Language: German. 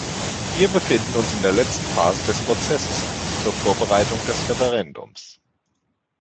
Wir befinden uns in der letzten Phase des Prozesses zur Vorbereitung des Referendums.